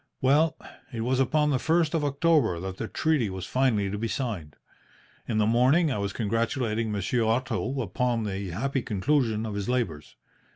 "Well, it was upon the first of October that the treaty was finally to be signed. In the morning I was congratulating Monsieur Otto upon the happy conclusion of his labours.